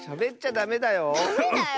ダメだよ。